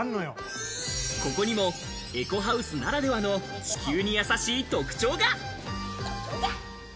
ここにもエコハウスならではの地球に優しい特徴が。